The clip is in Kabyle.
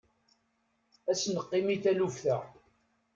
Ad as-neqqim i taluft-a.